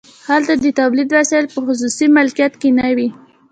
هلته د تولید وسایل په خصوصي مالکیت کې نه وي